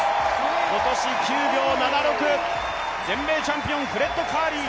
今年９秒７６、全米チャンピオン、フレッド・カーリー。